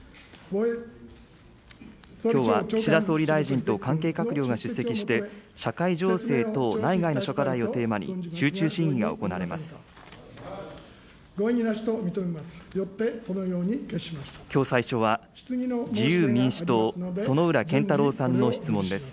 きょうは岸田総理大臣と関係閣僚が出席して、社会情勢等、内外の諸課題をテーマに集中審議が行われます。